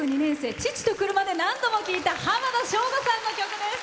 父と車で何度も聴いた浜田省吾さんの歌です。